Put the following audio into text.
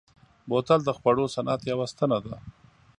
بوتل د خوړو صنعت یوه ستنه ده.